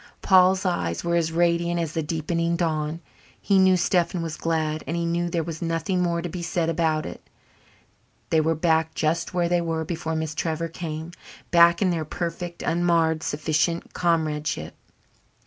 Paul's eyes were as radiant as the deepening dawn. He knew Stephen was glad and he knew there was nothing more to be said about it. They were back just where they were before Miss Trevor came back in their perfect, unmarred, sufficient comradeship.